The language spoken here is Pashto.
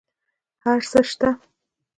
هر څه شته